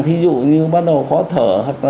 ví dụ như bắt đầu khó thở